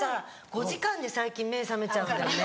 ５時間で最近目覚めちゃうんだよね。